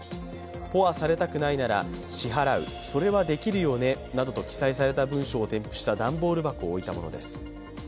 ポアされたくないなら、支払うそれはできるよねなどと記載された文書を添付した段ボール箱を置いたものです。